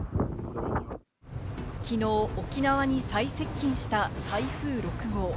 きのう、沖縄に最接近した台風６号。